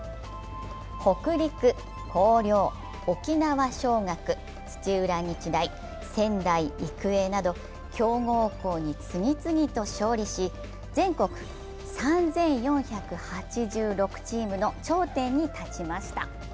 北陸、広陵、沖縄尚学、仙台育英など強豪校に次々と勝利し全国３４８６チームの頂点に立ちました。